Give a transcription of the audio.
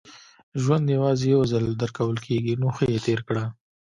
• ژوند یوازې یو ځل درکول کېږي، نو ښه یې تېر کړه.